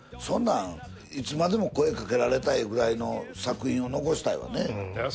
そんなんいつまでも声かけられたいくらいの作品を残したいわね。